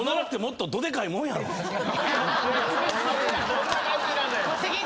どんな感じなのよ